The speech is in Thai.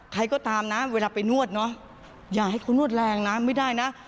ใครก็ตามนะเวลาไปนวดเนอะอย่าให้เขานวดแรงนะไม่ได้นะ